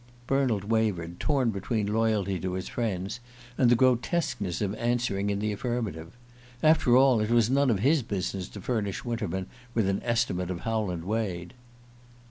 Bernald wavered, torn between loyalty to his friends and the grotesqueness of answering in the affirmative. After all, it was none of his business to furnish Winterman with an estimate of Howland Wade.